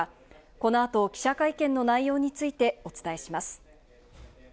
この後、記者会見の内容についてお伝えします。